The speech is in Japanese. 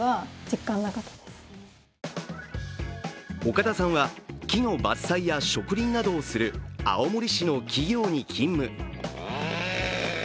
岡田さんは木の伐採や植林などをする青森市の企業に勤務。